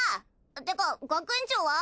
てか学園長は？